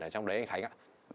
ở trong đấy anh khánh ạ